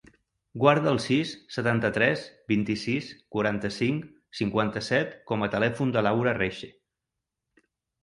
Guarda el sis, setanta-tres, vint-i-sis, quaranta-cinc, cinquanta-set com a telèfon de l'Aura Reche.